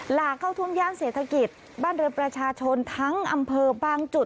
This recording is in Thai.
หลากเข้าท่วมย่านเศรษฐกิจบ้านเรือนประชาชนทั้งอำเภอบางจุด